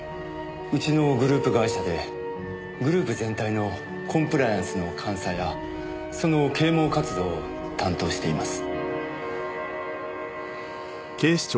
うちのグループ会社でグループ全体のコンプライアンスの監査やその啓蒙活動を担当しています。